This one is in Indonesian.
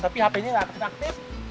tapi hpnya gak aktif